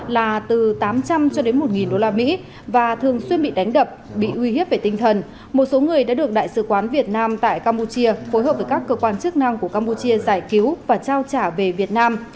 là từ tám trăm linh cho đến một usd và thường xuyên bị đánh đập bị uy hiếp về tinh thần một số người đã được đại sứ quán việt nam tại campuchia phối hợp với các cơ quan chức năng của campuchia giải cứu và trao trả về việt nam